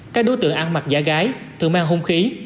các đối tượng ăn mặc giả gái thường mang hung khí